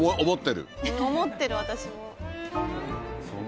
思ってる私も。